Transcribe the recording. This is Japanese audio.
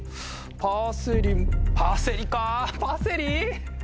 パセリパセリかパセリ？